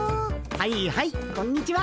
はいはいこんにちは。